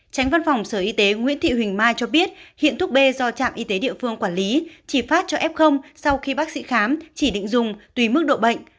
tránh văn phòng sở y tế nguyễn thị huỳnh mai cho biết hiện thuốc b do trạm y tế địa phương quản lý chỉ phát cho f sau khi bác sĩ khám chỉ định dùng tùy mức độ bệnh